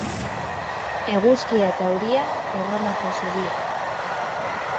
Eguzkia eta euria, Erromako zubia.